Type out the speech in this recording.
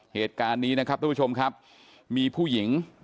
เหตุการณ์นี้นะครับทุกผู้ชมครับมีผู้หญิง